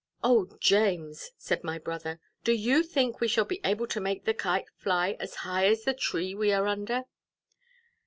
"O, James," said my brother, "do you think we shall be able to make the Kite fly as high as the tree we are under?"